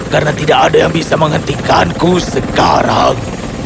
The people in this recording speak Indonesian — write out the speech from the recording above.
karena tidak ada yang bisa menghentikanku sekarang